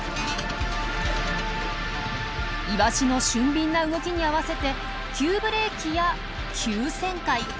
イワシの俊敏な動きに合わせて急ブレーキや急旋回。